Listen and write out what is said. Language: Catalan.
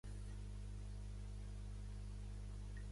Va néixer a Poltava Governorate i va morir a Kiev.